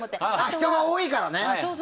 人が多いからね。